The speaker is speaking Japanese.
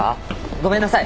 ごめんなさい